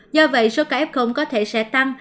do vậy số ca f có thể sẽ tăng